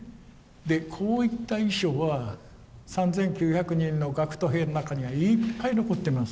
でこういった遺書は３，９００人の学徒兵の中にはいっぱい残ってます。